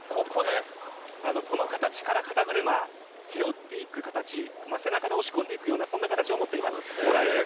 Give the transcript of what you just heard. この形から肩車、背負っていく形、背中で押し込んでいくような、そんな形を持っています、モラエイです。